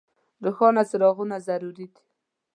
روښانه څراغونه ضروري دي.